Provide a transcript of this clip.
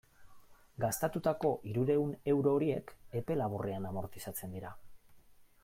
Gastatutako hirurehun euro horiek epe laburrean amortizatzen dira.